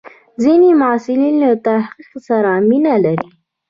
ځینې محصلین له تحقیق سره مینه لري.